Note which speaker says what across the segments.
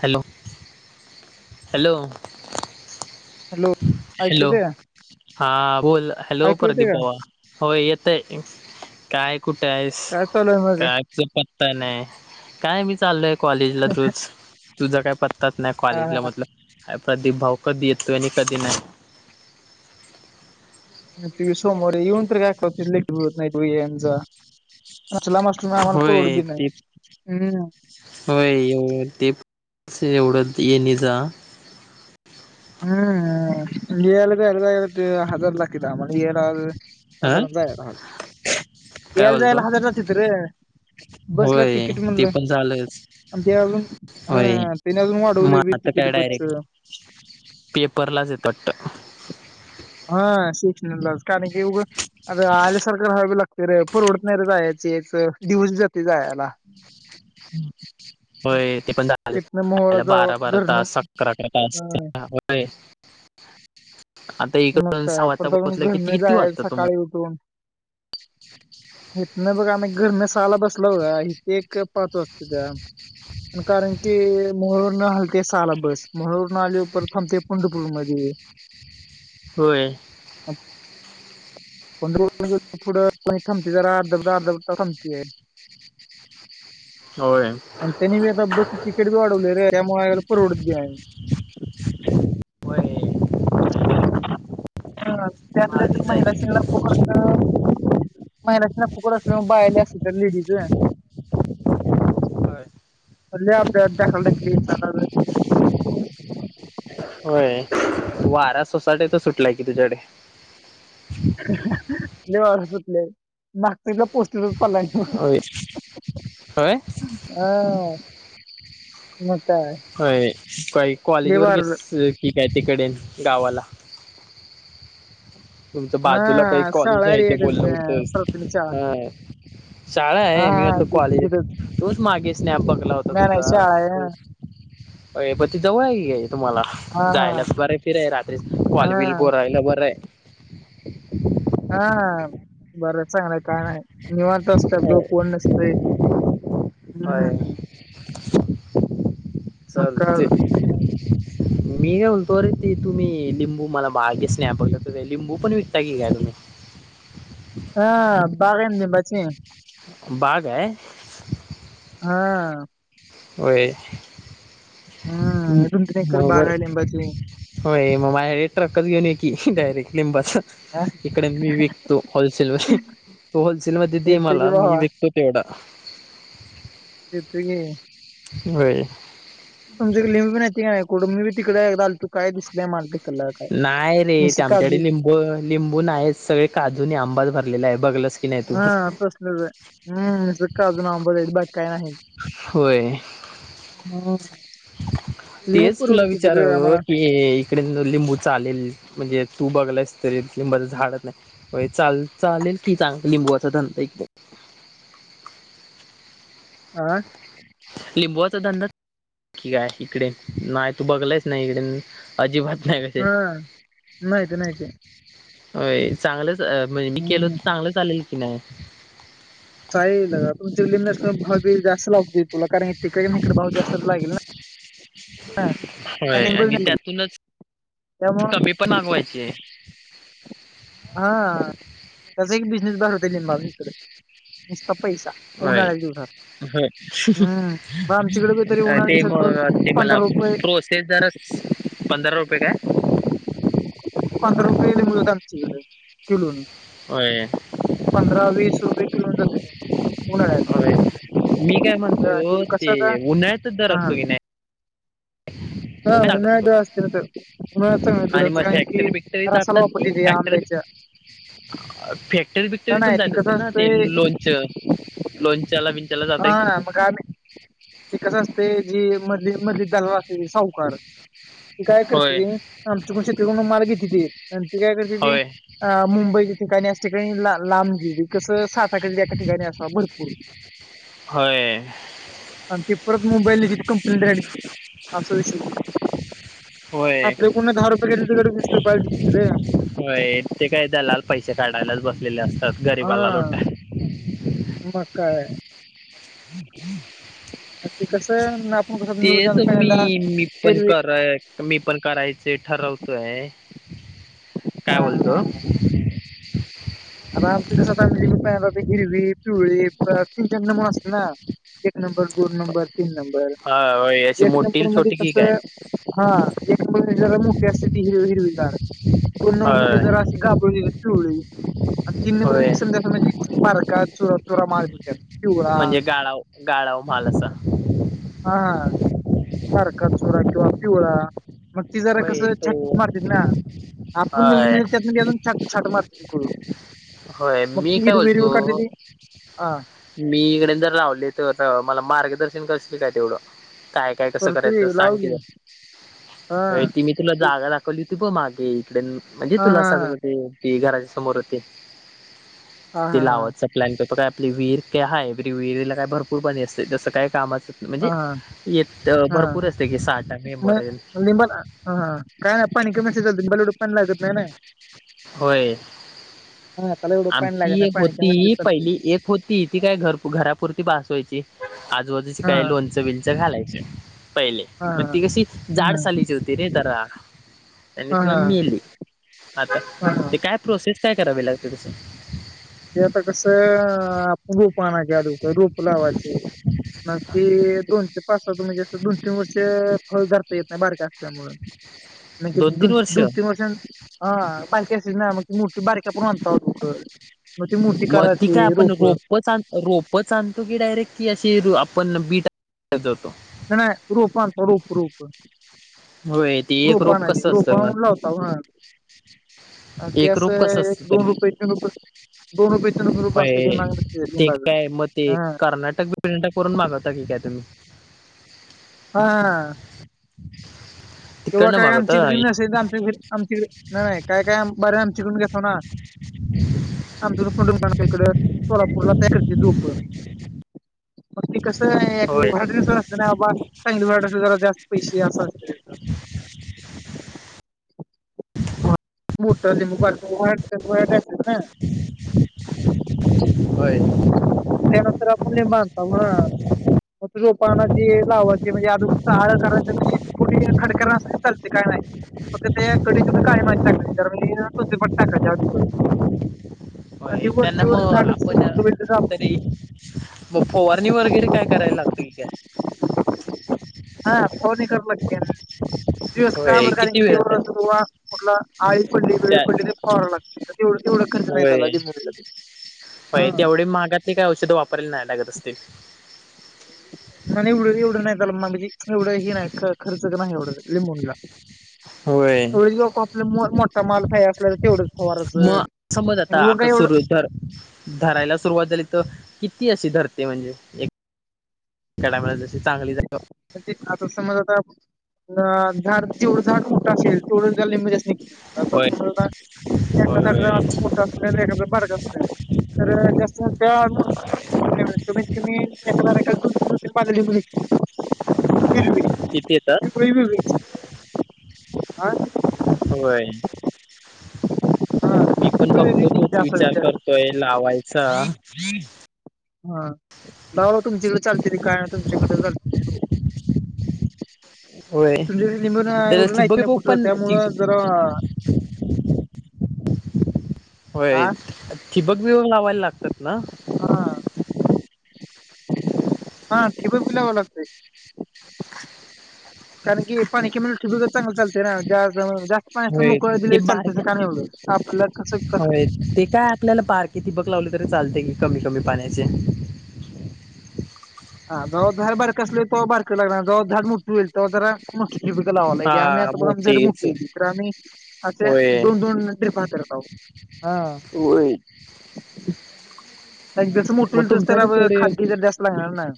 Speaker 1: Hello. Hello.
Speaker 2: Hello ऐकू
Speaker 1: hello
Speaker 2: दे
Speaker 1: हा बोल हॅलो
Speaker 2: ऐकू येते
Speaker 1: प्रदीप
Speaker 2: का
Speaker 1: बावा. हो येतय काय कुठे आहेस.
Speaker 2: काय चालूय मग
Speaker 1: काय पत्ता नाही काय मी चाललोय कॉलेजला दूच तुझं काय पत्तातच नाही
Speaker 2: हा
Speaker 1: कॉलेजला मतल कधी भाव कधी येतो आणि कधी नाही.
Speaker 2: तु सोमवार येऊन तर काय करते लेटत नाही यांचा. चला मास्टर आम्हाला परवड
Speaker 1: होय
Speaker 2: बी नाही
Speaker 1: ते
Speaker 2: हम्म
Speaker 1: होय ते. तसे उड़द ये निझा.
Speaker 2: हम्म गल ए हती हजार लाकद मण येलव.
Speaker 1: ह काय
Speaker 2: यायला
Speaker 1: बोलतो
Speaker 2: जायला हजार जात्यात र बस ला
Speaker 1: होय
Speaker 2: तिकीट
Speaker 1: ते
Speaker 2: म्हणलंय.
Speaker 1: पण झालंच
Speaker 2: आणि ते अजून
Speaker 1: होय
Speaker 2: हं त्याने अजून वाढवले बी तिकीट बचच.
Speaker 1: पेपराच येतात.
Speaker 2: हा शिकक्षणला कारण इव अ आले सरकार ह ला तर परवडतणार जायचे एक दिवस जात
Speaker 1: हम्. होय ते पण
Speaker 2: तिथनं मोहळा
Speaker 1: झालंला
Speaker 2: जावं
Speaker 1: बारा बारा
Speaker 2: घरनं
Speaker 1: तास अकरा अकरा
Speaker 2: अं,
Speaker 1: तासय.
Speaker 2: मग
Speaker 1: सहा
Speaker 2: काय
Speaker 1: वाजता
Speaker 2: परत आणि जून
Speaker 1: पोहोचलं किती
Speaker 2: घरमी जा
Speaker 1: किती
Speaker 2: आहे
Speaker 1: वाजता
Speaker 2: सकाळी
Speaker 1: तुम्हाला
Speaker 2: उठून. हेेत नाही बघ आम्ही घरने साला बसला हो इथे एक पाच वाजता त्या. कारण की मोहळोर न हालते साला बस म्हहळोर न आलीपर थांबते पंढरपूरमध्येध्ये.
Speaker 1: होय.
Speaker 2: पण थोडं कोणी थांबते जरा अर्धबद अर्धब थांबते
Speaker 1: होय
Speaker 2: आणि त्यानीबी आता बस तिकट वाढवले रे त्यामुळे यायला परवडत बी नाही
Speaker 1: [inaudible]
Speaker 2: हा त्यातल्या
Speaker 1: भारीच आहे की
Speaker 2: महिला
Speaker 1: मग.
Speaker 2: [unintelligible] महिलासनी फुकट असल्यामुळं बायला असत्यात त्या लेडीज
Speaker 1: होय
Speaker 2: [unintelligible] ढकला ढकली
Speaker 1: होय वारा सोसाटची सुटलाय कि तुझ्याकडे
Speaker 2: लय वार सुटलय तीतःला पोस्टर पडलाय बग
Speaker 1: होय होय
Speaker 2: हा मग काय
Speaker 1: होय काही कॉलेज
Speaker 2: लय
Speaker 1: वर
Speaker 2: वार
Speaker 1: घेतलय की तिकड गावाला तुमच्या
Speaker 2: हा
Speaker 1: बाजूला काही कॉलेज
Speaker 2: शाळा
Speaker 1: आहे
Speaker 2: रे
Speaker 1: ते
Speaker 2: एक
Speaker 1: बोललं
Speaker 2: अं,
Speaker 1: होतस
Speaker 2: प्राथमिक शाळा
Speaker 1: हा शाळा
Speaker 2: हा
Speaker 1: आहे मी
Speaker 2: हा
Speaker 1: म्हणलं
Speaker 2: ते
Speaker 1: कॉलेज
Speaker 2: तिथेच
Speaker 1: आहे. तोच मागे स्नॅप बघला होता
Speaker 2: नाही नाही शाळा आहे
Speaker 1: तुझा
Speaker 2: हा.
Speaker 1: प ती जवळ आहे घ्याय.. तुम्हाला
Speaker 2: हा
Speaker 1: जायला बर आहे फिर आहे रात्री वॉलबल
Speaker 2: हा
Speaker 1: बोरायला बरं आहे.. [inaudible]
Speaker 2: हा बरं चांगलंय काय नाही.. निवत असतात
Speaker 1: आहे
Speaker 2: लोक कोण नसतय हम्म.. मग
Speaker 1: चालतंय
Speaker 2: काय
Speaker 1: मी काय बोलतो अरे ते तुम्ही लिंबू मला बागेस नाही बघ लिंबू पण विकता की काय तुम्ही. [inaudible]
Speaker 2: हा बाग आहे लिंबाचे
Speaker 1: बाग आहे
Speaker 2: हा
Speaker 1: होय [unintelligible]
Speaker 2: हम्म रुंदणेकर बाग आहे लिंबाची
Speaker 1: होय मग माझ्या ट्रकच घेऊन ये की डायरेक्ट लिंबाच
Speaker 2: हा
Speaker 1: इकडे मी विकतो होलसेलमध्ये तो होलसेलमध्ये दे
Speaker 2: येतो की
Speaker 1: मला मी
Speaker 2: भावा
Speaker 1: विकतो तेवढ
Speaker 2: देतो की
Speaker 1: होय
Speaker 2: तुमच्याकडे लिहमी पण येत काय नाही कुठ मी तिकडे एकदा आलतो काय दिसलेय माल ती
Speaker 1: नाही रे ते आमच्याकडे लिंबू लिंबू नाही आहे सगळे काजू आंबाात भरलेला आहे बघल
Speaker 2: हा तसलच आहे हम्म नुसत काजू आणि आंबा बाकी काय नाही.
Speaker 1: होय
Speaker 2: हम्म लिंबू
Speaker 1: तेच तुला
Speaker 2: परवडत्यात रे
Speaker 1: विचारवं
Speaker 2: आम्हाला
Speaker 1: की इकडे लिंबू चालेल म्हणजे तू बघलास तरी लिंबाच झाडच नाही चाल चालेल की चांग लिंबवाचा धंदा केला तर [inaudible]
Speaker 2: आ
Speaker 1: लिंबुवाचा धंदा नक्की काय इकडे नाही तू बघलायस नाही इकडे अजिबात नाही कसे
Speaker 2: हा माहिते माहिते
Speaker 1: होय चांगलंच म्हणजे मी केल तर चांगलं चालेल की नाही
Speaker 2: काही लका तुमची लिंण्या भावी जास्त लागतील कलाकारण हे तिकडे इकडे पाऊस जास्तच लागेल ना
Speaker 1: होय आणि त्यातूनच
Speaker 2: त्यामुळं
Speaker 1: कमी पण मागवायचे
Speaker 2: हा त्याचा एक बिझनेस बर होते लिंबावकडे पैसा उन्हाळ्यात दिवसात
Speaker 1: हो
Speaker 2: हम्म आता आमच्याकडे बी तरी उन्हाळ्या
Speaker 1: ते
Speaker 2: दिवसात बघ
Speaker 1: मग ते मला
Speaker 2: पंधरा रुपये
Speaker 1: प्रोसेस जरा पंधरा रुपये काय
Speaker 2: पंधरा रुपये मु त्यांची किलो
Speaker 1: होय
Speaker 2: पंधरा वस रुपय कनन द
Speaker 1: अय मी काय
Speaker 2: हे
Speaker 1: म्हणतो ते
Speaker 2: कसं आता
Speaker 1: उन्हाळ्यातच दर
Speaker 2: हा
Speaker 1: असतो की नाही [inaudible]
Speaker 2: हा उन्हाळ्यात जर असतील तर उन्हाळ्यात चांगलं तर
Speaker 1: आणि
Speaker 2: असं
Speaker 1: मग
Speaker 2: कारण की
Speaker 1: फॅक्टरी बिकटरी
Speaker 2: रसाला
Speaker 1: जातात कि
Speaker 2: वापरली ते
Speaker 1: फॅक्टरी
Speaker 2: आंब्याच्या
Speaker 1: फॅक्टरी
Speaker 2: नाही
Speaker 1: बिकटरी पण
Speaker 2: नाही ती
Speaker 1: जात
Speaker 2: कसं
Speaker 1: असल ना ते
Speaker 2: असतंय
Speaker 1: लोणच लोणच. चला बिन चला जातय का.
Speaker 2: एकच असते जी मध मध जल असते सावकार ती काय करते
Speaker 1: होय
Speaker 2: ते आमच्याकडून शेतरीकून माल घेते त आणि ती काय करते ती
Speaker 1: होय
Speaker 2: अ मुंबई ठिकाणी अस ठिकाणी लांबजी व कस साठाक एका ठिकाणी असा भरपूर
Speaker 1: होय
Speaker 2: आणि परत मोबाईल ति कंपनी रड अस विश
Speaker 1: [inaudible] होय
Speaker 2: दहा रुपये घेतले तिकडे वीस रुपयाला देते रे
Speaker 1: होय ते काय झालं पैसे काढायलाच बसलेले असतात गरीबाला लोटाया
Speaker 2: म काय ते कसं आपण कसं
Speaker 1: तेच
Speaker 2: निवडताना
Speaker 1: मी
Speaker 2: पहिल्यांदा
Speaker 1: मी पण
Speaker 2: हिरवी
Speaker 1: कराय मी पण करायच ठरवतोय काय
Speaker 2: हा
Speaker 1: बोलतो
Speaker 2: आ आमच कस हिरवी पिवळी खिंचनड म्हण असेल ना नंबर दोन नंबर तीन नंबर
Speaker 1: होय होय अशी
Speaker 2: एक
Speaker 1: मोठी
Speaker 2: नंबर मध्ये
Speaker 1: छोटी की
Speaker 2: कस
Speaker 1: काय
Speaker 2: हा एक नंबर म ज रमू की हिर हिरवी ला प नऊ
Speaker 1: होय
Speaker 2: म्ह जरा अशी घाबरलीव तिन्
Speaker 1: होय
Speaker 2: संध्या म्हणजे पारका चुरात
Speaker 1: म्हणजे गाळाव गाळाव माल असा
Speaker 2: हा िवळा
Speaker 1: होय तो हा
Speaker 2: आपण त्यातनं अजून छाट छाट मारते ती करून
Speaker 1: होय
Speaker 2: मग
Speaker 1: मी
Speaker 2: ती
Speaker 1: काय
Speaker 2: हिरवी
Speaker 1: बोलतो
Speaker 2: हिरवी काढते ती हा
Speaker 1: मी इकडे जर रावले ते मला मार्गदर्शन करशील काय तेवढं काय काय कसं
Speaker 2: करतो की
Speaker 1: करायचं सांग
Speaker 2: लाव की हा
Speaker 1: कि ती मी तुला जागा दाखवली होती प मागे म्हणजे
Speaker 2: हा
Speaker 1: तुला
Speaker 2: हा
Speaker 1: अस घराच्या समोर होते
Speaker 2: हा हा
Speaker 1: ति
Speaker 2: हा
Speaker 1: लावचा प्लॅन करतो काय आपले विहीर का हय विहिरला काय भरपूर पाणी असते जसं काय काम
Speaker 2: हा
Speaker 1: म्हणजे
Speaker 2: हा
Speaker 1: येत
Speaker 2: हा
Speaker 1: भरपूर असते की साठ मे
Speaker 2: मग
Speaker 1: पर्यंत
Speaker 2: काय नाही पाणी कमल बलूड पाणी लागत नाही ना
Speaker 1: होय
Speaker 2: हा त्याला एवढं पाणी लागत
Speaker 1: आमची
Speaker 2: नाही
Speaker 1: एक
Speaker 2: पाणी कमी असलं
Speaker 1: होती
Speaker 2: चालतंय
Speaker 1: पहिली एक होती ती काय घर घरापुरती बासवायची आजूबाजूची
Speaker 2: हा
Speaker 1: काय लोणचं बंच घालायचे पहिले
Speaker 2: हा
Speaker 1: पण ती कशी
Speaker 2: हा
Speaker 1: जाड
Speaker 2: हा
Speaker 1: सालीची होती रे तर त्यांनी
Speaker 2: हा
Speaker 1: तु
Speaker 2: हा
Speaker 1: मेली आता
Speaker 2: हा हा.
Speaker 1: ते काय प्रोसेस काय करावी लागते तसं
Speaker 2: पाणा कदू का रूप लावाचे मग त दोन पाच म्हणजे दोन तीन वर्ष फळ घाता येत नाही बारक्या असल्यामुून म्ह
Speaker 1: दोन
Speaker 2: दो
Speaker 1: तीन वर्ष
Speaker 2: दोन तीन वर्षां हा बारक सिज म मठी बारीक पण अो हो
Speaker 1: मग ती काय आपण रोप रोप आणतो की डायरेक्टी शिरू आपण बीट जातो
Speaker 2: त्या रूप स् रूप रूप
Speaker 1: होय ते एक रोप
Speaker 2: रूपाणाची
Speaker 1: कसं असतं
Speaker 2: रूपाणा
Speaker 1: मग
Speaker 2: लावता आणि ते
Speaker 1: एक रूप
Speaker 2: असं
Speaker 1: कसं
Speaker 2: एक
Speaker 1: असत तर
Speaker 2: दोन रुपये तीन रुपये दोन रुपये तीन रुपये रोप असते लय
Speaker 1: होय
Speaker 2: महाग नसते
Speaker 1: ते
Speaker 2: लिंबाच
Speaker 1: काय मग ते
Speaker 2: हा
Speaker 1: कर्नाटक विंट करून मागवता की काय तुम्ही
Speaker 2: हा
Speaker 1: [inaudible]
Speaker 2: कं [unintelligible] हा
Speaker 1: तिकडनं
Speaker 2: काय
Speaker 1: मागवता
Speaker 2: आमच्याकडे न असेल तर आम आमक नाही नाही का काय काय बरे आम चिकून घेतो ना. आमचंडणकडे सोलापूरला पॅकेड झूप [unintelligible] मग ते कसं
Speaker 1: होय
Speaker 2: वड असत ना बाबा चांगले वराड ज जास्त पैसे असं [unintelligible]
Speaker 1: [inaudible]
Speaker 2: मोूटरमु [unintelligible]
Speaker 1: [inaudible] होय.
Speaker 2: माधत रोप आनाची लावायची म्हणजे अजून सळ करायच के खडकण्या चालते काय नाही फक्त ते कडे सुद्ध काळे माती टाकाय तर म तपट टाकायच अदूकर.
Speaker 1: होय त्यांना मग आपण
Speaker 2: मोठं होईल तसं आपण
Speaker 1: तरी म फवारणी वगैरे काय करायला लागतील काय.
Speaker 2: हा फोणी करडलक दिवस काय म्ह
Speaker 1: होय
Speaker 2: कारण की
Speaker 1: किती वेळ
Speaker 2: जव
Speaker 1: तर
Speaker 2: कं्हा कुठला आळी पडली वेळ
Speaker 1: त्या
Speaker 2: पडली पला लागते तेवढ का खर्च यतल जम निो
Speaker 1: हो तेवढी मागातली काही औषधं वापरला नाही लागत असते
Speaker 2: एवढं एवढं नाही त्याला मागजे एवढं ह नाही खर्च का नाही एवढं लिंबूनला
Speaker 1: होय
Speaker 2: तेवढ लोक आपल्या मोठा माल काही असला तर तेवढं फवारचं काही
Speaker 1: सु धरायला सुरुवात झाली तर किती अस ची धरते म्हणजे चगली एक [unintelligible]
Speaker 2: म्हण आता समज आता झाड जेवढं झाड कुठं असेल तेवढं झाले म्हणजे
Speaker 1: होय
Speaker 2: भहम [unintelligible]
Speaker 1: होय होय
Speaker 2: एखाद्या अस मोठ असय तर एखाद बाडग असय तर जास्त त्या [unintelligible] ुली [unintelligible]
Speaker 1: तिथे येतात
Speaker 2: हा
Speaker 1: होय. [inaudible]
Speaker 2: हा
Speaker 1: मी पण
Speaker 2: पिवळी
Speaker 1: बघतो
Speaker 2: निघते
Speaker 1: तोच
Speaker 2: असा
Speaker 1: विचार करतोय लावायचा
Speaker 2: हा बाबा तुमच्याकडे चालतेय काय ना तुमच्याकडे चालतेय.
Speaker 1: होय
Speaker 2: लिंबू
Speaker 1: तर
Speaker 2: एवढं
Speaker 1: [unintelligible] ब्बक
Speaker 2: माहिती ना
Speaker 1: बक
Speaker 2: कुठं
Speaker 1: पण
Speaker 2: त्यामुळं जरा
Speaker 1: [inaudible] होय
Speaker 2: हा
Speaker 1: थिबक मिळून लावायला लागतात ना.
Speaker 2: हा हा ठिबक लावावं लागते. कारण की पाणी ठि टिबत चांगलं चालते ना जास् जास्त पाण्या
Speaker 1: होय.
Speaker 2: मोकळ
Speaker 1: ते
Speaker 2: दिले चालते स का
Speaker 1: बारक्या
Speaker 2: नाही आपल्याला कसं कस
Speaker 1: होय ते काय आपल्याला पार्क इथे बघ लावलं तरी चालते कि, कमी कमी पाण्याचे.
Speaker 2: हा जवा झाड बारकं असले त बारक लागणार जवा झाड मोठू होईल तेवा जरा ह बा लावा
Speaker 1: हा
Speaker 2: लागली आम्ही आता बघ आमडे बुक
Speaker 1: मोठेच
Speaker 2: केली तर आम्ही [unintelligible] असे
Speaker 1: होय.
Speaker 2: दोन दोन ट्रिप हातरताव.
Speaker 1: होय.
Speaker 2: ऐक जसं
Speaker 1: मग
Speaker 2: मोठं तसं त्याला
Speaker 1: तुमच्याकडे
Speaker 2: व
Speaker 1: तेवढे
Speaker 2: खाद्य जर जास्त लागणार ना.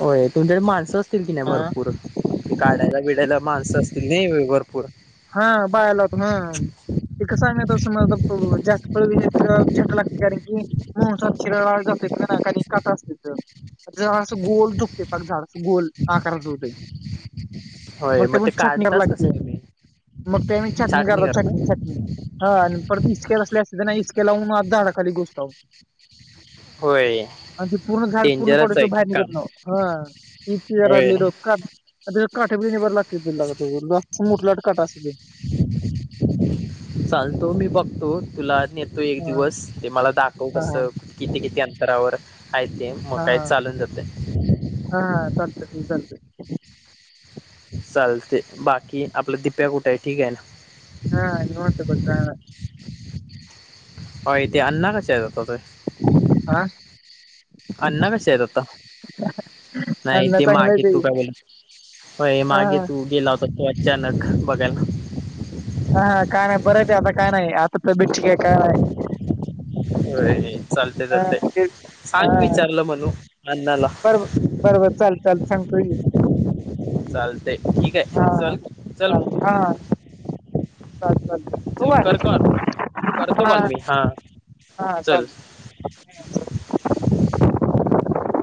Speaker 1: होय तुमच्याकडे माणसं असतील कि, नाही
Speaker 2: हा
Speaker 1: भरपूर ते काढायला बिडायला माणसं अस न ब [unintelligible]
Speaker 2: हा बाला होत ह त सांगात असम जात [unintelligible] विय छट लागते कारण की मोिरा जातो की काटा असते तर [unintelligible] झाडच गोल तुटते पग झाडाचा गोल आकाराच होते.
Speaker 1: होय
Speaker 2: मग ते पण छाटणी
Speaker 1: काढताच
Speaker 2: करायला
Speaker 1: कसं
Speaker 2: त्या.
Speaker 1: तुम्ही?
Speaker 2: मग ते मी चटणी
Speaker 1: छाटणी
Speaker 2: करतो चटणी
Speaker 1: करता?
Speaker 2: चटणी हा आणि पर तू इच केलातर. इसक लावून माडा खाली घुमजाव.
Speaker 1: होय
Speaker 2: आणि त पूर्ण झाड पूर्ण पड
Speaker 1: डेंजरच आहे
Speaker 2: त
Speaker 1: की
Speaker 2: बाहेर
Speaker 1: काम
Speaker 2: निघत [unintelligible]
Speaker 1: होय.
Speaker 2: नाीली काठ बिणीवरर लाग दि लागते मुठ [unintelligible] ला
Speaker 1: चालतो मी बघतो तुला. येतो एक
Speaker 2: हा
Speaker 1: दिवस ते मला दाखवू
Speaker 2: हा हा
Speaker 1: कसं किती किती अंतरावर आयती
Speaker 2: हा
Speaker 1: मकय
Speaker 2: हा
Speaker 1: चालून जाते.
Speaker 2: चालतय
Speaker 1: कि आपल्या दिप्या कुठें आहे ठीक आहे ना?
Speaker 2: हा निवांत बघ काय नाही
Speaker 1: ह इथे अन्ना कचे आहे जातो ते.
Speaker 2: आं
Speaker 1: अण्णा कसे आहेत आता नाही
Speaker 2: अण्णा
Speaker 1: ते
Speaker 2: चांगलं आहे
Speaker 1: मागे तू काय बोलला
Speaker 2: हा
Speaker 1: मागे तू गेला हो? सो अचानक बघल.
Speaker 2: हा हा काय नाही बरंच आता काय नाही आता तब्येत आहे काय नाही.
Speaker 1: अरे ही चालते चालते
Speaker 2: हा तेच
Speaker 1: सांग विचारलं म्हणू अण्णाला.
Speaker 2: बरं बरं बरं चालेल चाल सांगतोय की,
Speaker 1: चालते ठीक
Speaker 2: हा
Speaker 1: आहे चल चल मग
Speaker 2: चालतंय हा. चाल चाल ठेवू
Speaker 1: चल
Speaker 2: काय
Speaker 1: करतो आता करतो कॉल मी हा.
Speaker 2: हा चालतय.
Speaker 1: [inaudible]